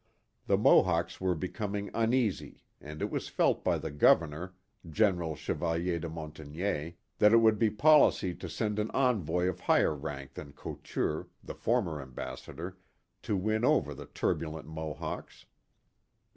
The Mohawks were becoming uneasy and it was felt by the governor. General Chevalier de Montmagny, that it would be policy to send an envoy of higher rank than Couture, the former ambassador, to win over the turbulent Mohawks.